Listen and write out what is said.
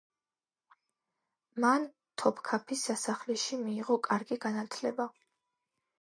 მან თოფქაფის სასახლეში მიიღო კარგი განათლება.